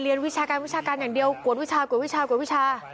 วิชาการวิชาการอย่างเดียวกวดวิชากวดวิชากวดวิชา